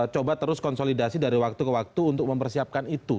coba terus konsolidasi dari waktu ke waktu untuk mempersiapkan itu